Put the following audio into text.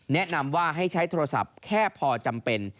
แนะนำว่าให้ใช้โทรศัพท์แค่พอจำเป็น